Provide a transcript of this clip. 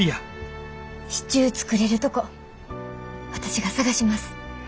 支柱作れるとこ私が探します。